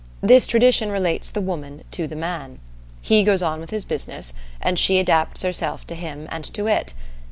This tradition relates the woman to the man. He goes on with his business, and she adapts herself to him and to it.